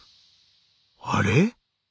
あれ？